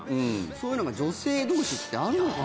そういうのが女性同士ってあんのかなって。